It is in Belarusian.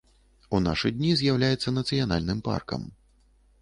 У нашы дні з'яўляецца нацыянальным паркам.